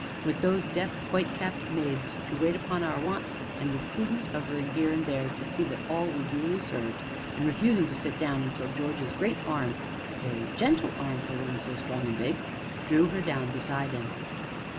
with those deft, whitecapped maids to wait upon our wants, and with Prudence hovering here and there to see that all were duly served, and refusing to sit down until George's great arm a very gentle arm for one so strong and big drew her down beside him.